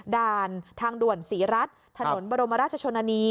ด่านทางด่วนศรีรัฐถนนบรมราชชนนานี